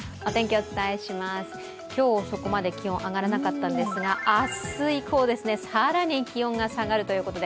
お伝えします、今日そこまで気温は上がらなかったんですが明日以降、更に気温が下がるということで＃